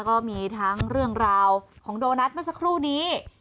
ก็มีทั้งเรื่องราวของโดนัทเมื่อสักครู่นี้